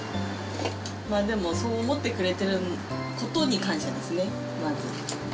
まあでも、そう思ってくれてることに感謝ですね、まず。